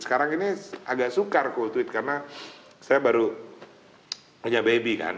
sekarang ini agak sukar kultif karena saya baru punya baby kan